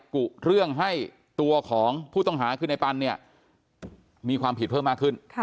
กุเรื่องให้ตัวของผู้ต้องหาคือในปันเนี่ยมีความผิดเพิ่มมากขึ้น